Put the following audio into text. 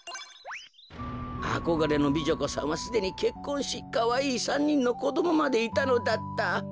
あこがれの美女子さんはすでにけっこんしかわいい３にんのこどもまでいたのだった。